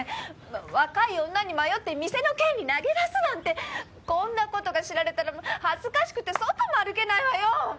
若い女に迷って店の権利投げ出すなんてこんなことが知られたら恥ずかしくて外も歩けないわよ！